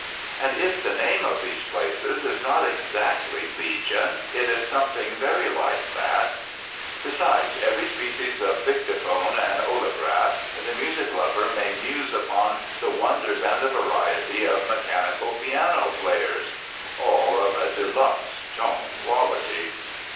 And if the name of these places is not exactly legion, it is something very like that. Besides every species of Victophone and Olagraph, the music lover may muse upon the wonders and the variety of "mechanical piano players." All of de luxe "tone quality."